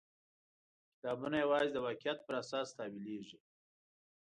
کتابونه یوازې د واقعیت پر اساس تاویلېږي.